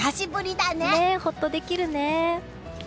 ほっとできるね！